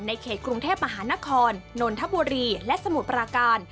เขตกรุงเทพมหานครนนทบุรีและสมุทรปราการ